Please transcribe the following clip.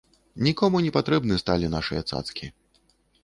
Нікому не патрэбны сталі нашыя цацкі.